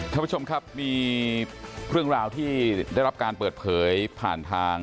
ท่านผู้ชมครับมีเรื่องราวที่ได้รับการเปิดเผยผ่านทาง